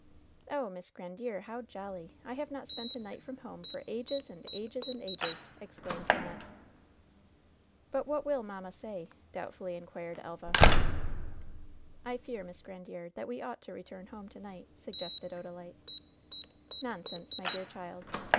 "Oh, Miss Grandiere, how jolly ! I have not spent a night from home for ages and ages and ages !" exclaimed Wymxette. "But what will mamma say?" doubtfully inquired Elva. "I fear, Miss Grandiere, that we ought to return home to night," suggested Odalite. "Nonsense, my dear child